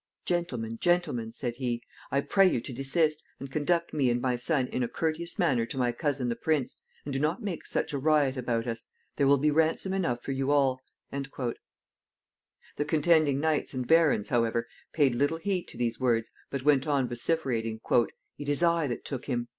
"Gentlemen, gentlemen," said he, "I pray you to desist, and conduct me and my son in a courteous manner to my cousin the prince, and do not make such a riot about us. There will be ransom enough for you all." The contending knights and barons, however, paid little heed to these words, but went on vociferating, "It is I that took him."